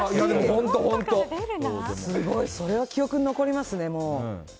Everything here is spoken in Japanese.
それは記憶に残りますね。